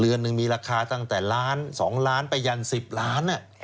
หนึ่งมีราคาตั้งแต่ล้าน๒ล้านไปยัน๑๐ล้าน